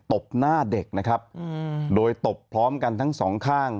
บหน้าเด็กนะครับโดยตบพร้อมกันทั้งสองข้าง